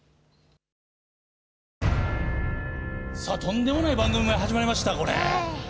さあとんでもない番組が始まりましたこれ。